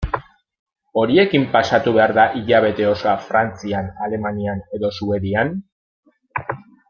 Horiekin pasatu behar da hilabete osoa Frantzian, Alemanian edo Suedian?